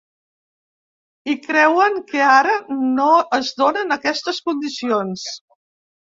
I creuen que ara no es donen aquestes condicions.